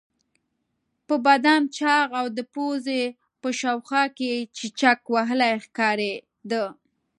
په بدن چاغ او د پوزې په شاوخوا کې چیچک وهلی ښکارېده.